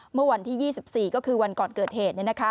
เมื่อวันที่๒๔ก็คือวันก่อนเกิดเหตุ